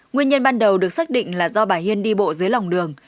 nguyên nhân ban đầu được xác định là do bà hiên đi bộ dưới lòng đường